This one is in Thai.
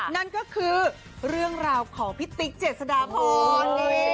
นั่นก็คือเรื่องราวของพี่ติ๊กเจษฎาพร